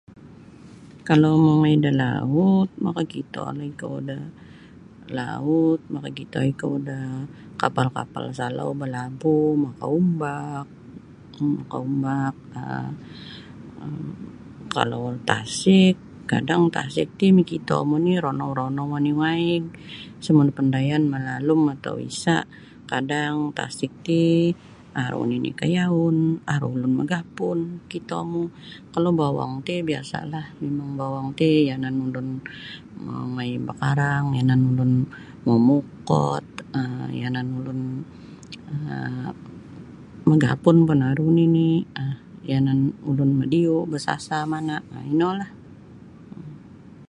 Kalau mongoi da laut makakitolah ikou da laut makakito ikou da kapal-kapal salau balabuh makaumbak um makaumbak um kalau tasik kadang tasik ti makitomu ni ronou-ronou oni waig isa' mu napandayan malalum atau isa' kadang tasik ti aru nini' kayaun aru ulun magapun makitomu kalau bowong ti biasa'lah mimang bowong ti yanan ulun mongoi bakarang yanan ulun mamukot um yanan ulun magapun pun aru nini' um yanan ulun madiu' basasa mana' um inolah.